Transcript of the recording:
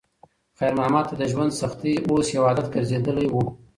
خیر محمد ته د ژوند سختۍ اوس یو عادت ګرځېدلی و.